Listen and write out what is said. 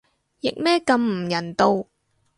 譯咩咁唔人道